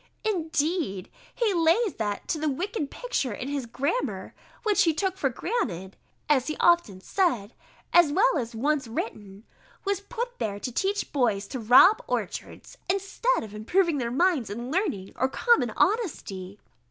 Indeed he lays that to the wicked picture in his grammar, which he took for granted (as he has often said, as well as once written) was put there to teach boys to rob orchards, instead of improving their minds in learning, or common honesty.